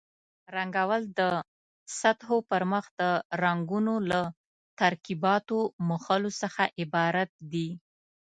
رنګول د سطحو پرمخ د رنګونو له ترکیباتو مښلو څخه عبارت دي.